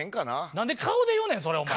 何で顔で言うねんそれお前。